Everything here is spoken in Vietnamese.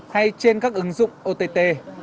hay trên các ứng dụng ott